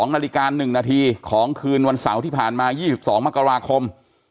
๒นาฬิกา๑นาทีของคืนวันเสาร์ที่ผ่านมา๒๒มกราคม